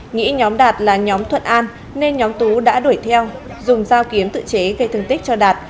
nghĩ nhóm đạt là nhóm thuận an nên nhóm tú đã đuổi theo dùng dao kiếm tự chế gây thương tích cho đạt